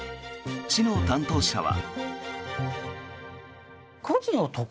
市の担当者は。